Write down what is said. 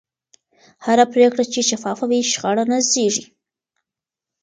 هره پرېکړه چې شفافه وي، شخړه نه زېږي.